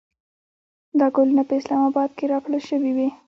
دا ګلونه په اسلام اباد کې راکړل شوې وې.